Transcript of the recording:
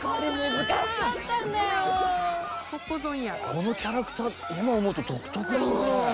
このキャラクター今思うと独特ですね。